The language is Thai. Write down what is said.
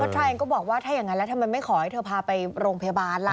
เธอเองก็บอกว่าถ้าอย่างนั้นแล้วทำไมไม่ขอให้เธอพาไปโรงพยาบาลล่ะ